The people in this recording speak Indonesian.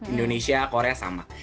indonesia korea sama